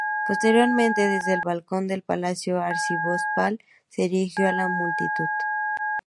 Posteriormente, desde el balcón del palacio arzobispal, se dirigió a la multitud.